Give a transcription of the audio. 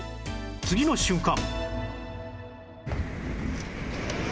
次の瞬間！